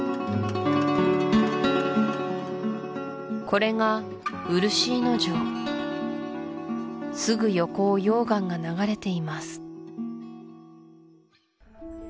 これがすぐ横を溶岩が流れています